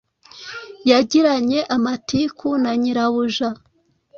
yagiranye amatiku na nyirabuja